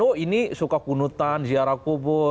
oh ini suka kunutan ziarah kubur